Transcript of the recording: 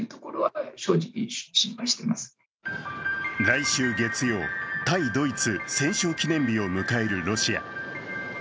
来週月曜、対ドイツ戦勝記念日を迎えるロシア。